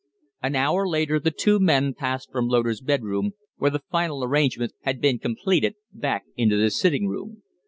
An hour later the two men passed from Loder's bed room, where the final arrangements had been completed, back into the sitting room.